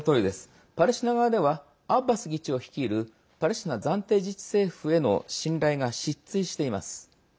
パレスチナ側ではアッバス議長率いるパレスチナ暫定自治政府への信頼が失墜しています。